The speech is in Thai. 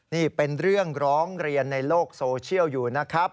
นี่เป็นเรื่องร้องเรียนในโลกโซเชียลอยู่นะครับ